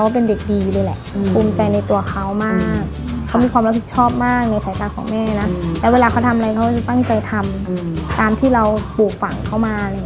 เวลาเขาทำอะไรเขาต้องตั้งใจทำตามที่เราปลูกฝั่งเข้ามา